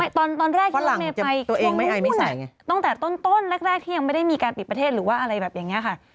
ไม่ตอนแรกยังไม่ไปช่วงหุ้นตอนต้นแรกที่ยังไม่ได้มีการปิดประเทศหรือว่าอะไรแบบนี้ค่ะ